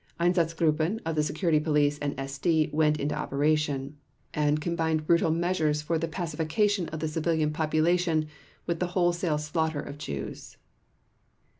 Einsatzgruppen of the Security Police and SD went into operation, and combined brutal measures for the pacification of the civilian population with the wholesale slaughter of Jews.